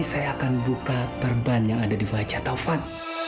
saya akan buka perban yang ada di wajah taufan